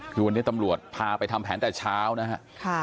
คือวันนี้ตำรวจพาไปทำแผนแต่เช้านะครับ